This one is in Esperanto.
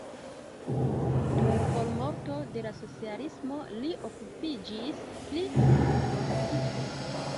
Dum formorto de la socialismo li okupiĝis pri la politiko.